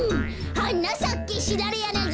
「はなさけシダレヤナギ」